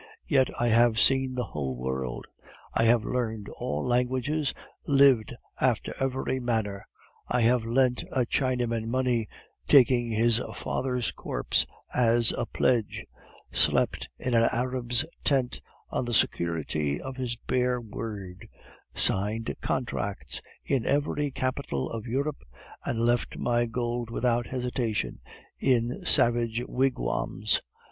Yet, I have seen the whole world. I have learned all languages, lived after every manner. I have lent a Chinaman money, taking his father's corpse as a pledge, slept in an Arab's tent on the security of his bare word, signed contracts in every capital of Europe, and left my gold without hesitation in savage wigwams.